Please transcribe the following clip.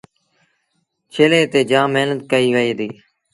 ڇيلي تي جآم مهنت ڪئيٚ وهي دي۔